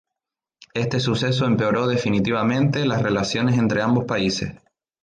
Este suceso empeoró definitivamente las relaciones entre ambos países.